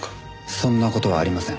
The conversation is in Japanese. そんな事はありません。